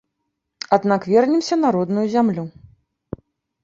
Аднак вернемся на родную зямлю.